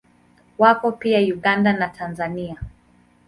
Wako pia Uganda na Tanzania.